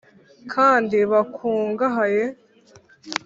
kandi bukungahaye